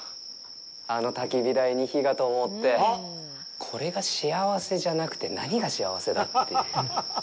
あのたき火台に火が灯って、これが幸せじゃなくて何が幸せだってね。